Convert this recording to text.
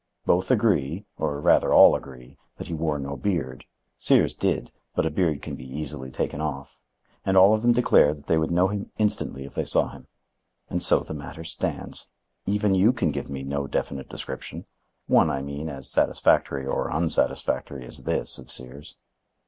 Both agree, or rather all agree, that he wore no beard—Sears did, but a beard can be easily taken off—and all of them declare that they would know him instantly if they saw him. And so the matter stands. Even you can give me no definite description,—one, I mean, as satisfactory or unsatisfactory as this of Sears."